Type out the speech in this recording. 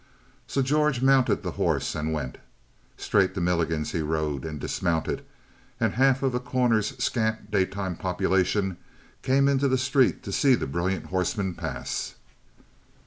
So George mounted the horse and went. Straight to Milligan's he rode and dismounted; and half of The Corner's scant daytime population came into the street to see the brilliant horseman pass.